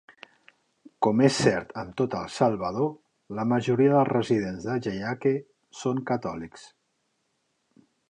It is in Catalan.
Com és cert en tot El Salvador, la majoria dels residents de Jayaque són catòlics.